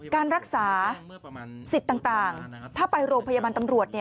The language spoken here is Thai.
การรักษาสิทธิ์ต่างถ้าไปโรงพยาบาลตำรวจ